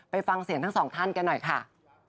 ฟังเสียงทั้งสองท่านกันหน่อยค่ะ